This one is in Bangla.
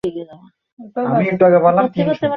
দেখিয়া নিজের সম্বন্ধে রসিকের ভারি একটা লজ্জা বোধ হইল।